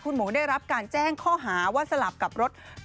หมูได้รับการแจ้งข้อหาว่าสลับกับรถ